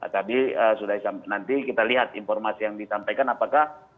tadi sudah nanti kita lihat informasi yang disampaikan apakah